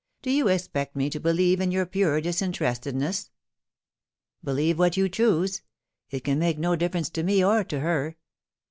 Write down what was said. * Do you expect me to believe in your pure disinterestedness ?Believe what you choose. It can make no difference to me or to her.